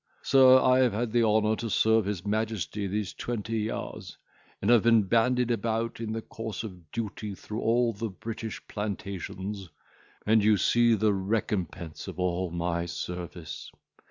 Sir, I have had the honour to serve his Majesty these twenty years, and have been bandied about in the course of duty through all the British plantations, and you see the recompense of all my service.